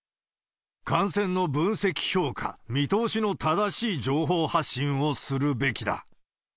感染の分析評価、見通しの正しい情報発信をするべきだ。